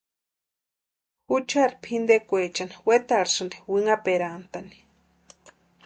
Juchari pʼintekwaechani wetarhisïnti winhaperantani.